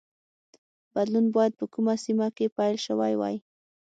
بدلون باید په کومه سیمه کې پیل شوی وای